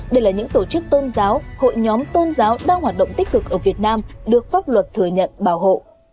đây là những tổ chức tôn giáo hội nhóm tôn giáo đang hoạt động tích cực ở việt nam được pháp luật thừa nhận bảo hộ